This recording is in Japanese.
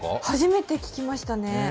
初めて聞きましたね。